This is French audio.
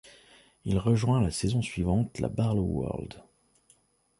Il rejoint la saison suivante la Barloworld.